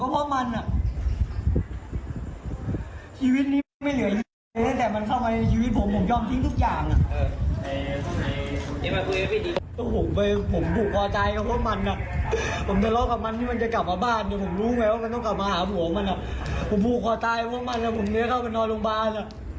ผมผูกคอตายบ้างมากผมเนื้อเข้าไปนอนโรงพยาบาล